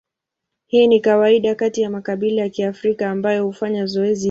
Hii ni kawaida kati ya makabila ya Kiafrika ambayo hufanya zoezi hili.